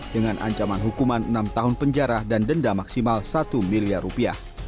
dengan ancaman hukuman enam tahun penjara dan denda maksimal satu miliar rupiah